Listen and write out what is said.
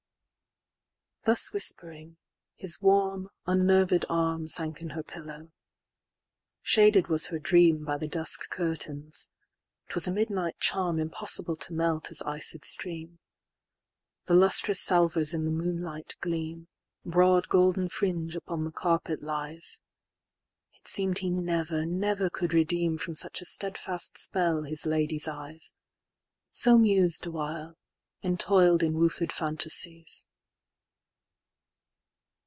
XXXII.Thus whispering, his warm, unnerved armSank in her pillow. Shaded was her dreamBy the dusk curtains:—'twas a midnight charmImpossible to melt as iced stream:The lustrous salvers in the moonlight gleam; Broad golden fringe upon the carpet lies:It seem'd he never, never could redeemFrom such a stedfast spell his lady's eyes; So mus'd awhile, entoil'd in woofed phantasies.